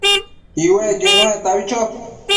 iuecquio icnuectabi cho